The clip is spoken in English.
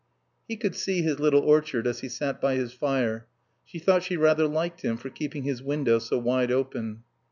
He could see his little orchard as he sat by his fire. She thought she rather liked him for keeping his window so wide open.